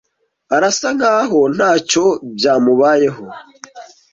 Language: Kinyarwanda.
Arasa nkaho ntacyo byamubayeho.